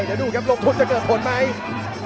เดี๋ยวดูครับลงทุนจะเกิดผลไหม